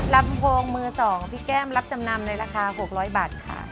ลำโพงมือ๒พี่แก้มรับจำนำในราคา๖๐๐บาทค่ะ